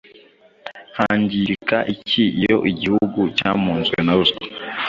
Hangirika iki iyo igihugu cyamunzwe na ruswa?